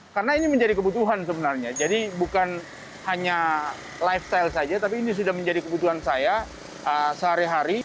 karena ini menjadi kebutuhan sebenarnya jadi bukan hanya lifestyle saja tapi ini sudah menjadi kebutuhan saya sehari hari